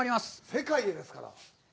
世界でですから。